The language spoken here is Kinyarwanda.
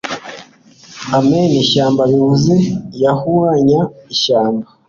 amena ishyamba bivuze yahuranya ishyamba